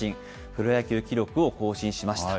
プロ野球記録を更新しました。